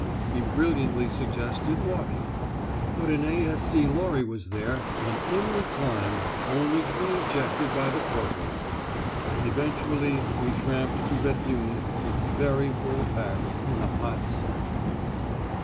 He brilliantly suggested walking. But an A.S.C. lorry was there, and in we climbed, only to be ejected by the corporal! Eventually we tramped to Béthune with very full packs in a hot sun.